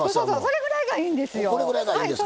それぐらいがいいんですよ。